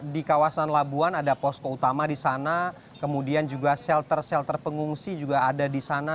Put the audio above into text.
di kawasan labuan ada posko utama di sana kemudian juga shelter shelter pengungsi juga ada di sana